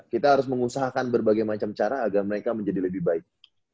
kita harus mengusahakan berbagai macam cara agar mereka menjadi lebih baik